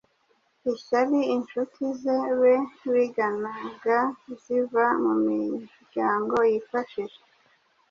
ishyari inshuti ze be biganaga ziva mu miryango yifashije.